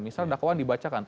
misalnya dakwaan dibacakan